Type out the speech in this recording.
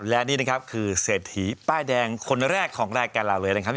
และนี่นะครับคือเศรษฐีป้ายแดงคนแรกของรายการเราเลยนะครับ